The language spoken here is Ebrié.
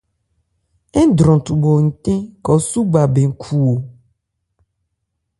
Ńdwran thúɓɔ̀ ncɛ́n, khɔ súgba bɛn khu o.